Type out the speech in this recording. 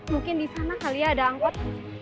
mungkin di sana kali ya ada angkot